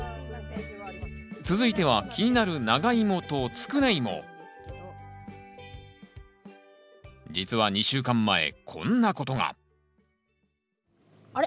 続いては気になる実は２週間前こんなことがあれ？